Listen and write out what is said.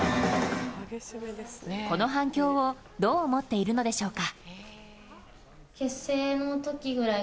この反響をどう思っているのでしょうか。